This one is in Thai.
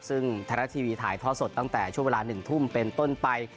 ซึ่งทางทางทีวีถ่ายท้อสดตั้งแต่ช่วงเวลาหนึ่งทุ่มเป็นต้นไป